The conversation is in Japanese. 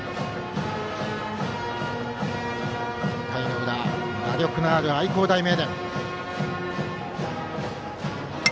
１回の裏、打力のある愛工大名電。